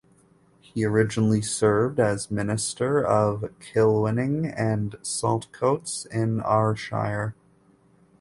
He originally served as minister of Kilwinning and Saltcoats in Ayrshire.